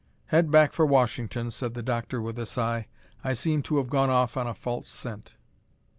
"Head back for Washington," said the doctor with a sigh. "I seem to have gone off on a false scent."